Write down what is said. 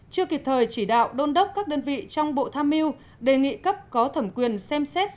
một mươi một trước kịp thời chỉ đạo đôn đốc các đơn vị trong bộ tham mưu đề nghị cấp có thẩm quyền xem xét